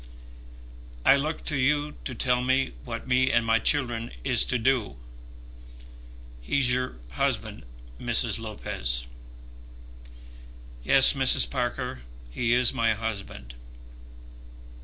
"I look to you to tell me what me and my children is to do. He's your husband, Mrs. Lopez." "Yes, Mrs. Parker; he is my husband."